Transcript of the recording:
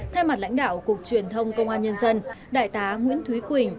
thay mặt lãnh đạo cục truyền thông công an nhân dân đại tá nguyễn thúy quỳnh